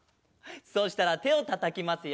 そしたらてをたたきますよ。